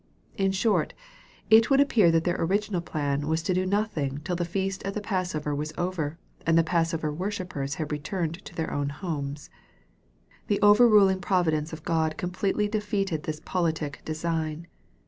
In short, it would appear that their, original plan was to do nothing till the feast of the passover was over, and the passover worshippers had returned to their own homes. The overruling providence of God completely defeated this politic design.